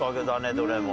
どれも。